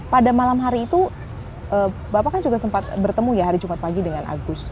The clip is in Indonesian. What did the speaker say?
pada malam hari itu bapak kan juga sempat bertemu ya hari jumat pagi dengan agus